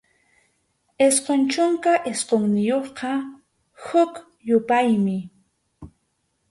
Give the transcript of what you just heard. Isqun chunka isqunniyuqqa huk yupaymi.